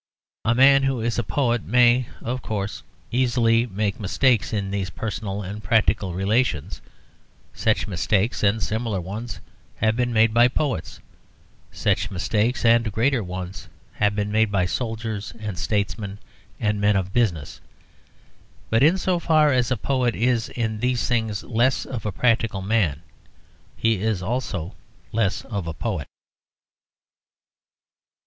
A man who is a poet may, of course, easily make mistakes in these personal and practical relations; such mistakes and similar ones have been made by poets; such mistakes and greater ones have been made by soldiers and statesmen and men of business. But in so far as a poet is in these things less of a practical man he is also less of a poet.